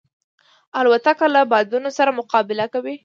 الوتکه له بادونو سره مقابله کوي.